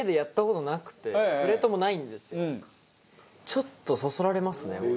ちょっとそそられますね。